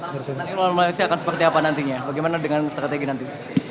nanti melawan malaysia akan seperti apa nantinya bagaimana dengan strategi nanti